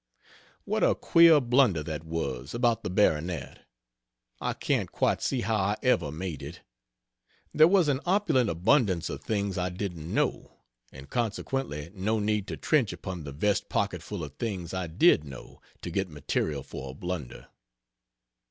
What a queer blunder that was, about the baronet. I can't quite see how I ever made it. There was an opulent abundance of things I didn't know; and consequently no need to trench upon the vest pocketful of things I did know, to get material for a blunder.